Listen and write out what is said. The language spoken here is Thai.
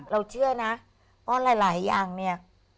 เชื่อนะเพราะหลายอย่างเนี่ย